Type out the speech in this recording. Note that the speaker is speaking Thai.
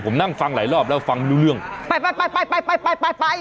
ผมนั่งฟังหลายรอบแล้วฟังไม่รู้เรื่องไปไปไปไปไปไปไปไป